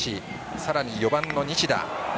さらに４番の西田。